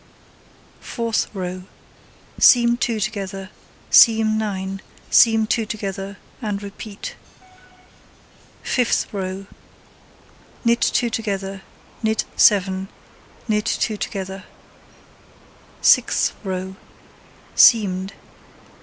Fourth row: Seam 2 together, seam 9, seam 2 together, and repeat. Fifth row: Knit 2 together, knit 7, knit 2 together. Sixth row: Seamed.